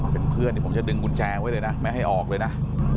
เป็นเพื่อนที่ผมจะดึงกุญแจไว้เลยนะไม่ให้ออกเลยนะ